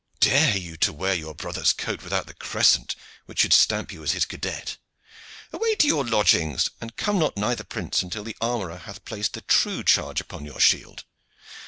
Dare you to wear your brother's coat without the crescent which should stamp you as his cadet. Away to your lodgings, and come not nigh the prince until the armorer hath placed the true charge upon your shield."